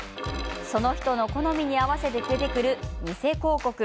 その人の好みに合わせて出てくる偽広告。